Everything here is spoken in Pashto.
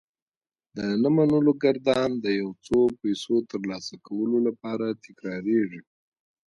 د نه منلو ګردان د يو څو پيسو ترلاسه کولو لپاره تکرارېږي.